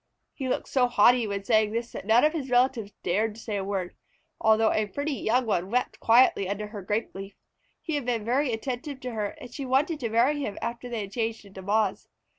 He looked so haughty when saying this that none of his relatives dared to say a word, although a pretty young one wept quietly under her grape leaf. He had been very attentive to her, and she wanted to marry him after they had changed into Moths.